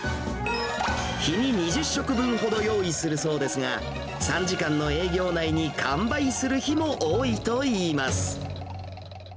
日に２０食分ほど用意するそうですが、３時間の営業内に完売する日も多いといいます。